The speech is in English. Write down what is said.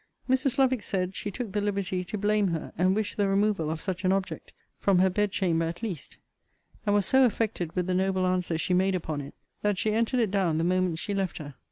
Mrs. Lovick said, she took the liberty to blame her; and wished the removal of such an object from her bed chamber, at least: and was so affected with the noble answer she made upon it, that she entered it down the moment she left her.